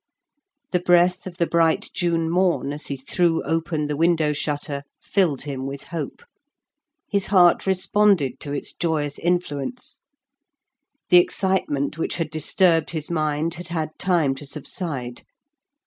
The breath of the bright June morn as he threw open the window shutter filled him with hope; his heart responded to its joyous influence. The excitement which had disturbed his mind had had time to subside.